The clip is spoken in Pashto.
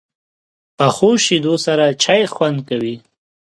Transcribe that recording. پخو شیدو سره چای خوند کوي